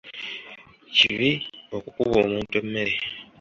Kibi okukukuba omuntu emmere.